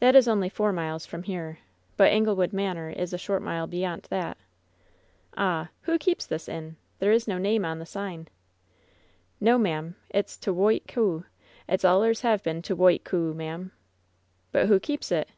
That is only four miles from here ; but Anglewood Manor is a short mile beyant that'' ^'Ahl Who keeps this inn? There is no name on the si^." "No, ma'am. It's 'T' Whoit Coo.' It allers hev been 'T Whoit Coo,' ma'am." "But who keep9 it